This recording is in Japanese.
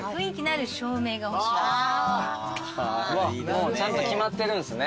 もうちゃんと決まってるんですね